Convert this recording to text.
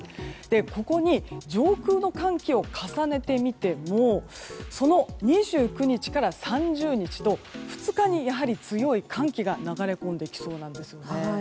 ここに上空の寒気を重ねてみてもその２９日から３０日と２日にやはり強い寒気が流れ込んできそうなんですね。